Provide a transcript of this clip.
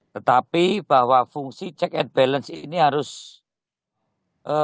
tetapi bahwa fungsi check and balance ini harus